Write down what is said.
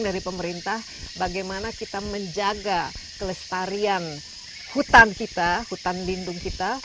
dari pemerintah bagaimana kita menjaga kelestarian hutan kita hutan lindung kita